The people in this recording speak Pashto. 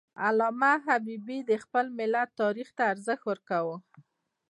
علامه حبیبي د خپل ملت تاریخ ته ارزښت ورکاوه.